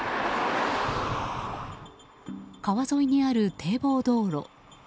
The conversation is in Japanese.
川沿いにある堤防道路。